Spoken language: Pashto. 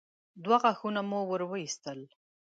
دوه غاښه مو ور وايستل.